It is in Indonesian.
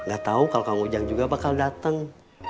gak tau kalau kang ujang juga bakal datang